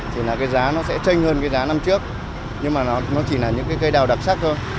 thì là cái giá nó sẽ tranh hơn với giá năm trước nhưng mà nó chỉ là những cái cây đào đặc sắc thôi